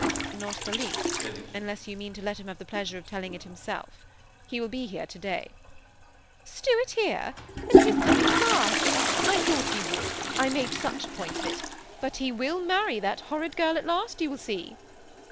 ^ Not the least, unless you mean to let him have the pleasure of telling it himself. He will be here to day." ^ Stuart here I Then he is coming at last I thought he would, — I made such a point of it ; but he will marry that horrid girl at last, you will see."